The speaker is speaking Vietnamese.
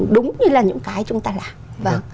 đúng như là những cái chúng ta làm